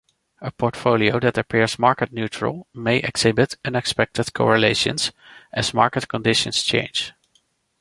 A portfolio that appears market-neutral may exhibit unexpected correlations as market conditions change.